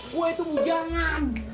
gue itu bujangan